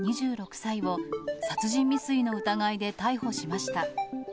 ２６歳を、殺人未遂の疑いで逮捕しました。